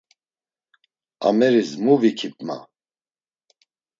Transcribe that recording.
Ameris mu vikip ma?